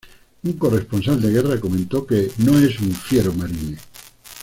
Un corresponsal de guerra comentó que "no es un fiero marine.